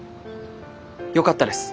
よかったです。